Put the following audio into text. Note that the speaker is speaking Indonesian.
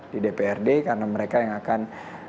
di dprd karena mereka yang akan